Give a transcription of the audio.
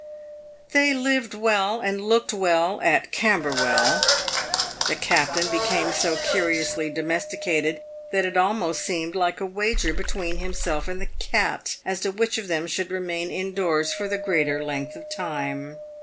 They lived well and looked well at Camberwell. The captain be came so curiously domesticated, that it almost seemed like a wager between himself and the cat, as to which of them should remain in doors for the greater length of time.